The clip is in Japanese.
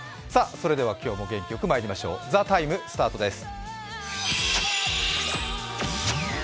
今日も元気よくまいりましょう「ＴＨＥＴＩＭＥ，」スタートです。